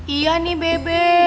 iya nih bebe